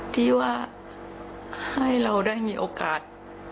ที่ว่าให้เราได้มีโอกาส